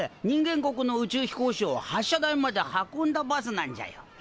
人間国の宇宙飛行士を発射台まで運んだバスなんじゃよ。